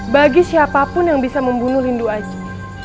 bagi siapapun yang bisa membunuh rindu aji